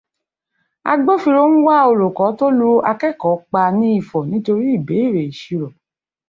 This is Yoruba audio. Agbófinró ń wá olùkọ́ tó lu akẹ́kọ̀ọ́ pa ní Ifọ̀ nítorí ibéèrè ìṣirò.